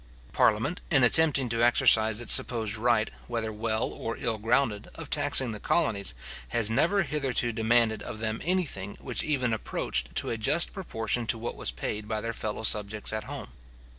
Parliament, in attempting to exercise its supposed right, whether well or ill grounded, of taxing the colonies, has never hitherto demanded of them anything which even approached to a just proportion to what was paid by their fellow subjects at home.